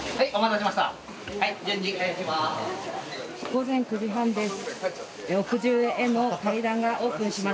午前９時半です。